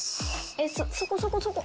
ｓそこそこそこ。